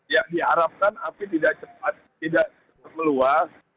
ya diharapkan api tidak cepat tidak meluas